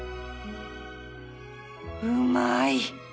うまい！